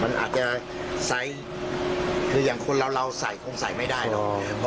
มันอาจจะไซส์คืออย่างคนเราใส่คงใส่ไม่ได้หรอก